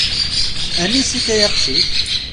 Anis-ik ay aqcic?